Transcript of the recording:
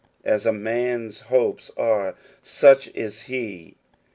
As a man*s hopes are, such is he.